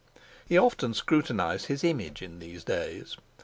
He often scrutinised his image in these days.